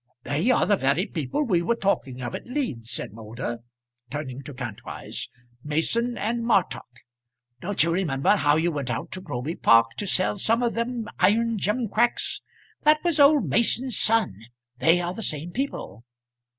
"They are the very people we were talking of at Leeds," said Moulder, turning to Kantwise. "Mason and Martock; don't you remember how you went out to Groby Park to sell some of them iron gimcracks? That was old Mason's son. They are the same people."